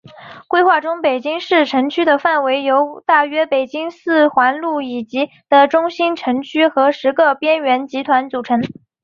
规划中北京市城区的范围由大约北京四环路以内的中心城区和十个边缘集团组成。